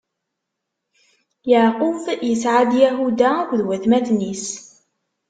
Yeɛqub isɛa-d Yahuda akked watmaten-is.